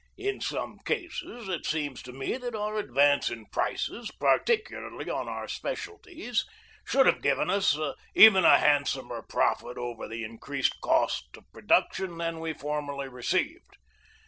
In some instances it seems to me that our advance in prices, particularly on our specialties, should have given us even a handsomer profit over the increased cost of production than we formerly received.